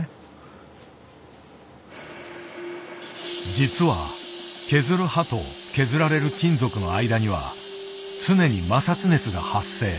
実は削る刃と削られる金属の間には常に摩擦熱が発生。